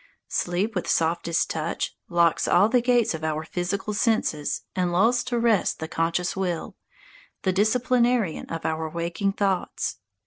Sleep with softest touch locks all the gates of our physical senses and lulls to rest the conscious will the disciplinarian of our waking thoughts.